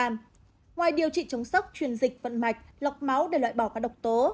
ngoài điều trị chống sốc truyền dịch vận mạch lọc máu để loại bỏ các độc tố